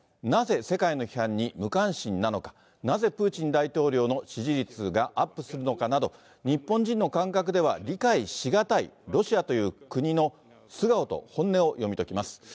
なぜ世界の批判に無関心なのか、なぜプーチン大統領の支持率がアップするのかなど、日本人の感覚では理解し難いロシアという国の素顔と本音を読み解きます。